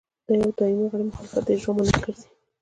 د یوه دایمي غړي مخالفت د اجرا مانع ګرځي.